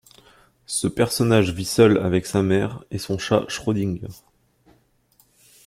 Ce personnage vit seul avec sa mère et son chat Schrödinger.